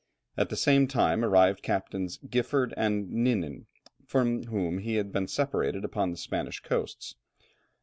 At the same time arrived Captains Gifford and Knynin, from whom he had been separated upon the Spanish Coasts.